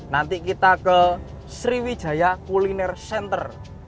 nanti kita ke sriwijaya kuliner center